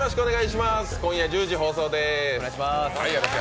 今夜１０時放送です。